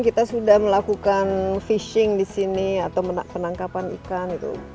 kita sudah melakukan fishing di sini atau penangkapan ikan itu